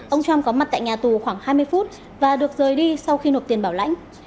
ông trump có mặt tại nhà tù khoảng hai mươi phút và được rời đi sau khi nộp tiền bảo lãnh